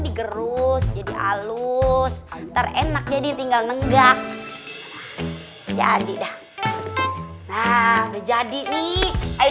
digerus jadi alus terenak jadi tinggal nenggak jadi udah nah udah jadi nih ayo